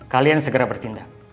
kalian segera bertindak